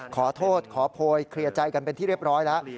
ขอโทษขอโพยเคลียร์ใจกันเป็นที่เรียบร้อยแล้ว